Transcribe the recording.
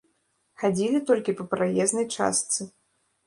Хадзілі толькі па праезнай частцы.